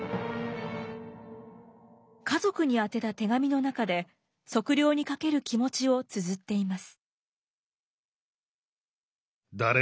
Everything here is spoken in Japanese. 家族に宛てた手紙の中で測量にかける気持ちをつづっています。